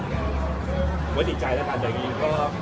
คือติดใจแล้วการแบบนี้ก็